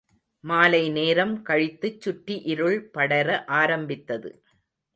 மாலை நேரம் கழித்துச் சுற்றி இருள்படர ஆரம்பித்தது.